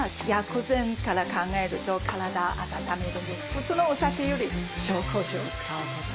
普通のお酒より紹興酒を使うこと。